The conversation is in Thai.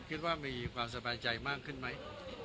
คิดว่ามีความสบายใจมากขึ้นไหม